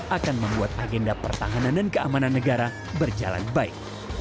akan membuat agenda pertahanan dan keamanan negara berjalan baik